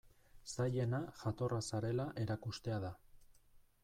Zailena jatorra zarela erakustea da.